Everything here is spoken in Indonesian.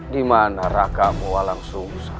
dimana rakamu walang susah